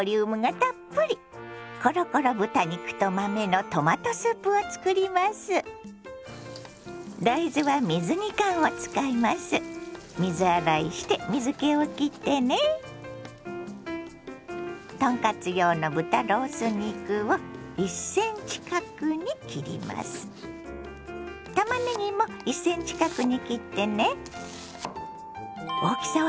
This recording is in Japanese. たまねぎも１ｃｍ角に切ってね。